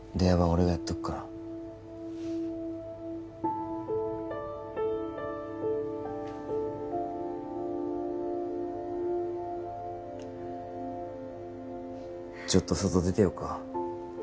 俺がやっとくからちょっと外出てようか？